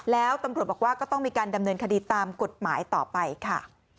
แล้วตำรวจบอกว่าก็ต้องมีการดำเนินคดีตามกฎหมายต่อไปค่ะ